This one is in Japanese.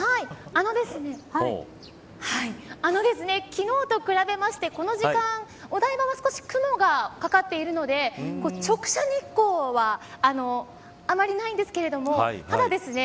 昨日と比べまして、この時間お台場は少し雲がかかっているので直射日光はあまりないんですけどただですね